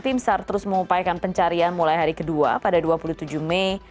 tim sar terus mengupayakan pencarian mulai hari kedua pada dua puluh tujuh mei